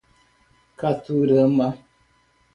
Caturama